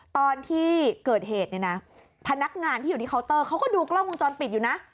ตอนที่เกิดเหตุเนี่ยนะพนักงานที่อยู่ที่เคาน์เตอร์เขาก็ดูกล้องวงจรปิดอยู่นะ